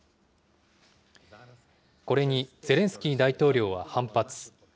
これにゼレンスキー大統領は反発。